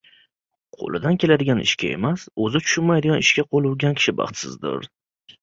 Qo‘lidan keladigan ishga emas, o‘zi tushunmaydigan ishga qo‘l urgan kishi baxtsizdir.